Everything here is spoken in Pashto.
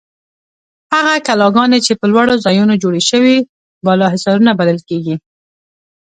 هغه کلاګانې چې په لوړو ځایونو جوړې شوې بالاحصارونه بلل کیږي.